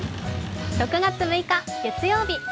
６月６日月曜日。